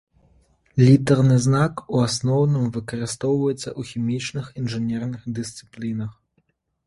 Літарны знак у асноўным выкарыстоўваецца ў хімічных інжынерных дысцыплінах.